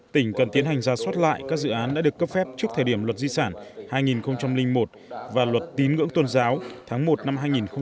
tỉnh cần tiến hành ra soát lại các dự án đã được cấp phép trước thời điểm luật di sản hai nghìn một và luật tín ngưỡng tôn giáo tháng một năm hai nghìn một mươi